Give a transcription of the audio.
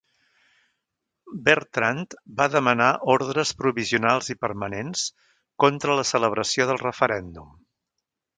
Bertrand va demanar ordres provisionals i permanents contra la celebració del referèndum.